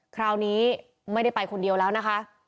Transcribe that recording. คราวนี้ไม่ได้ไปคนเดียวแล้วนะคะ